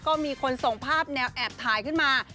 ก็มีคนส่งภาพแนวแอบถ่ายขึ้นมา